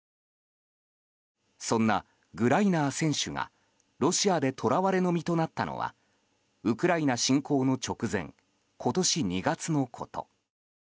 そんなグライナー選手がロシアで囚われの身となったのはウクライナ侵攻の直前今年２月のこと。